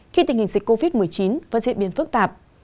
khi tình hình dịch covid một mươi chín vẫn diễn biến phức tạp